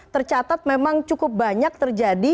tercatat memang cukup banyak terjadi